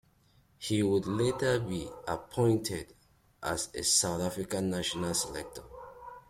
He would later be appointed as a South African National Selector.